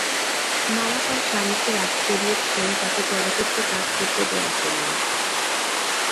মামা তাঁর স্বামীকে রাজি করিয়েছিলেন, তাঁকে চলচ্চিত্রে কাজ করতে দেওয়ার জন্য।